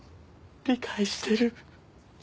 理解してる！